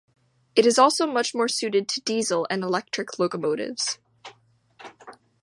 It is also much more suited to diesel and electric locomotives.